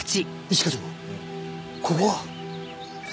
一課長ここは！？